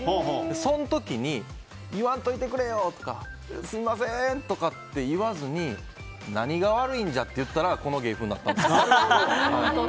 その時に言わんといてくれよとかすみませんとかって言わずに何が悪いんじゃって言ったらこの芸風になったんです。